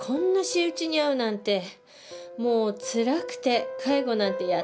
もうつらくて介護なんてやってられません